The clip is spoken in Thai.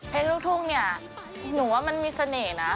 เพลงลูกทุ่งนี้หนูว่ามันมีเสน่ห์นะ